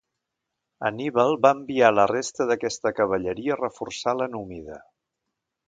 Anníbal va enviar la resta d'aquesta cavalleria a reforçar a la númida.